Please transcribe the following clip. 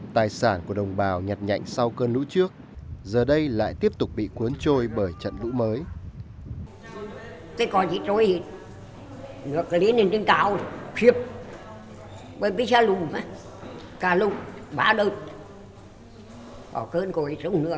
tài sản của đồng bào nhặt nhạy sau cơn lũ trước giờ đây lại tiếp tục bị cuốn trôi bởi trận lũ mới